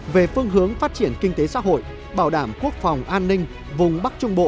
về phương hướng phát triển kinh tế xã hội bảo đảm quốc phòng an ninh vùng bắc trung bộ